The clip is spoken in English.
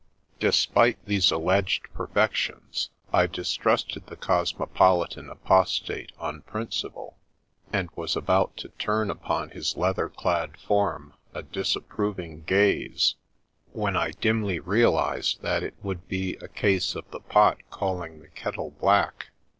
Despite these alleged perfections, I distrusted the cosmopolitan apostate Merc6d& to the Rescue 17 on principle, and was about to turn upon his leather clad form a disapproving gaze, when I dimly real ised that it would be a case of the pot calling the kettle black.